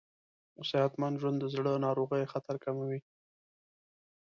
صحتمند ژوند د زړه ناروغیو خطر کموي.